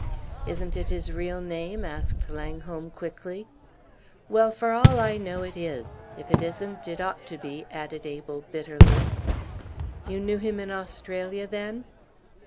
"Isn't it his real name?" asked Langholm, quickly. "Well, for all I know, it is. If it isn't, it ought to be!" added Abel, bitterly. "You knew him in Australia, then?"